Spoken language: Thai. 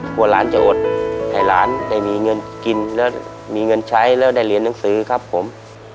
หลานจะอดให้หลานได้มีเงินกินแล้วมีเงินใช้แล้วได้เรียนหนังสือครับผม